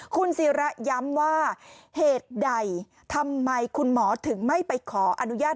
คุณศิระย้ำว่าเหตุใดทำไมคุณหมอถึงไม่ไปขออนุญาต